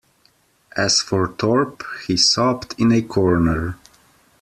As for Thorpe, he sobbed in a corner.